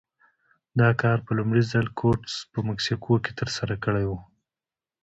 دا کار په لومړي ځل کورټز په مکسیکو کې ترسره کړی و.